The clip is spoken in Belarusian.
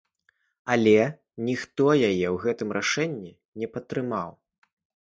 Але ніхто яе ў гэтым рашэнні не падтрымаў.